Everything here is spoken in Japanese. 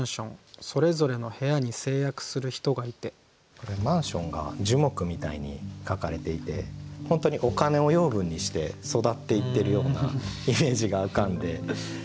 これマンションが樹木みたいに書かれていて本当にお金を養分にして育っていってるようなイメージが浮かんで。